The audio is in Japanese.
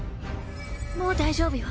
もう大丈夫よ